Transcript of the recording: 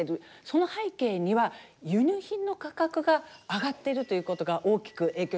その背景には輸入品の価格が上がっているということが大きく影響しているんですね。